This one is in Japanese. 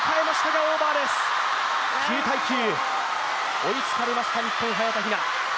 追いつかれました、日本、早田ひな。